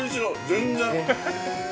全然。